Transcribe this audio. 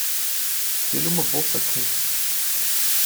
Dê-lhe uma bolsa quente